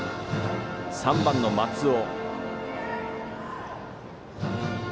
３番の松尾。